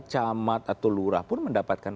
camat atau lurah pun mendapatkan